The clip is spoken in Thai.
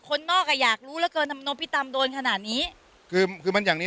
คนนอกอ่ะอยากรู้เหลือเกินทำนบพี่ตำโดนขนาดนี้คือคือมันอย่างนี้